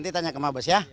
nanti tanya ke mabes ya